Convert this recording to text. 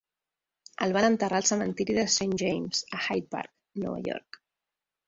El van enterrar al cementiri de Saint James, a Hyde Park, Nova York.